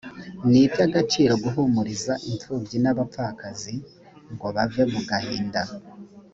ni by’agaciro guhumuriza imfubyi n’abapfakazi ngo bave mu gahinda